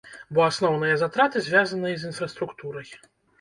Бо асноўныя затраты звязаныя з інфраструктурай.